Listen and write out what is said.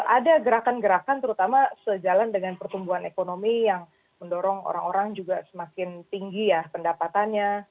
ada gerakan gerakan terutama sejalan dengan pertumbuhan ekonomi yang mendorong orang orang juga semakin tinggi ya pendapatannya